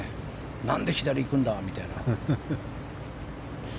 なんで左行くんだ！みたいな。